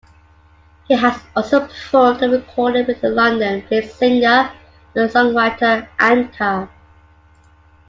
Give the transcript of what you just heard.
He has also performed and recorded with the London-based singer and songwriter Anca.